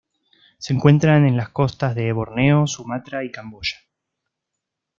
Se encuentran en las costas de Borneo, Sumatra y Camboya.